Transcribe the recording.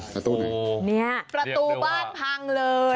ประตูบ้านพังเลย